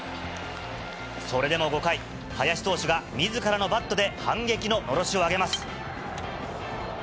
それでも５回、林投手がみずからのバットで反撃ののろしを上げます。